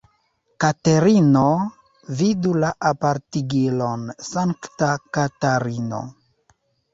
Katerino vidu la apartigilon Sankta Katarino.